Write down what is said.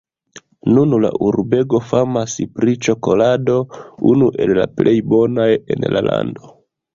Nun la urbego famas pri ĉokolado, unu el la plej bonaj en la lando.